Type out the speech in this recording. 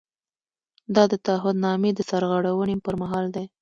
دا د تعهد نامې د سرغړونې پر مهال دی.